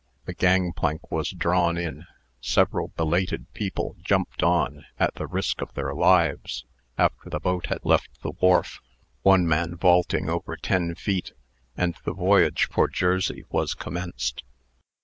the gangplank was drawn in; several belated people jumped on, at the risk of their lives, after the boat had left the wharf, one man vaulting over ten feet; and the voyage for Jersey was commenced.